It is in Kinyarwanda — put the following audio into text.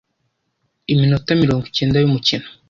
iminota mirongo icyenda y'umukino